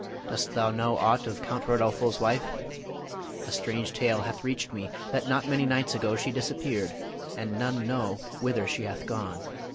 Dost thou know aught of Count Rodolpho's wife? A strange tale hath reached me that not many nights ago she disappeared, and none know whither she hath gone.